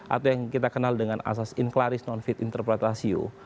atau yang kita kenal dengan asas in claris non fit interpretatio